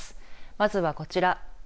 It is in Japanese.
まずはこちら。